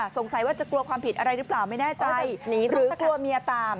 สงสัยว่าจะกลัวความผิดอะไรหรือเปล่าไม่แน่ใจหรือกลัวเมียตาม